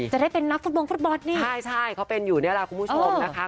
จะได้เป็นนักฟุตบงฟุตบอลนี่ใช่ใช่เขาเป็นอยู่นี่แหละคุณผู้ชมนะคะ